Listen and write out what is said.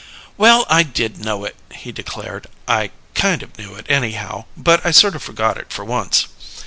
"Well, I did know it," he declared. "I kind of knew it, anyhow; but I sort of forgot it for once.